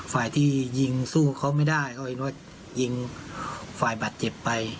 ฝ่ายที่ยิงสู้เขาไม่ได้เขาเห็นว่ายิงฝ่ายบาดเจ็บไป